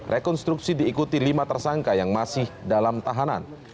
rekonstruksi diikuti lima tersangka yang masih dalam tahanan